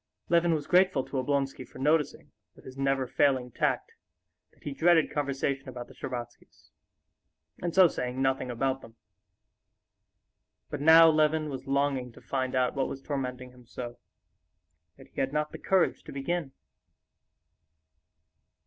Levin was grateful to Oblonsky for noticing, with his never failing tact, that he dreaded conversation about the Shtcherbatskys, and so saying nothing about them. But now Levin was longing to find out what was tormenting him so, yet he had not the courage to begin.